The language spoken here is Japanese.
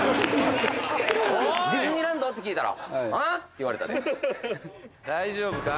ディズニーランド？って聞いたら「あ？」って言われたで大丈夫か？